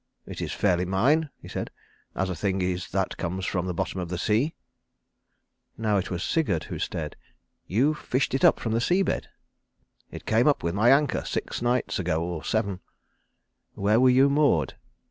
"It is fairly mine," he said, "as a thing is that comes from the bottom of the sea." Now it was Sigurd who stared. "You fished it up from the sea bed?" "It came up with my anchor six nights ago or seven." "Where were you moored?"